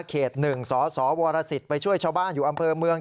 เขต๑สสวรสิทธิ์ไปช่วยชาวบ้านอยู่อำเภอเมือง